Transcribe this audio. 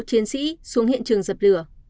chiến sĩ xuống hiện trường dập lửa